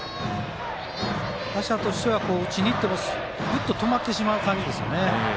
打者としては打ちにいってもふっと止まってしまう感じですよね。